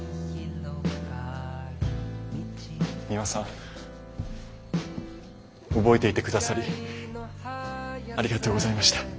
ミワさん覚えていて下さりありがとうございました。